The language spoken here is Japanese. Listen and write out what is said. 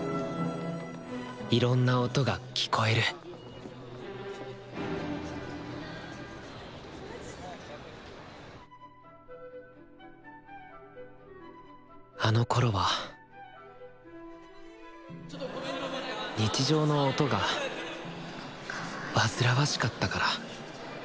いろんな音が聴こえるあのころは日常の音が煩わしかったから。